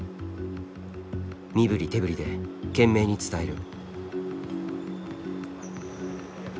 身振り手振りで懸命に伝える。